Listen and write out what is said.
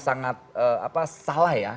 sangat apa salah ya